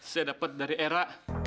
saya dapet dari era